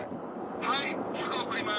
はいすぐ送ります。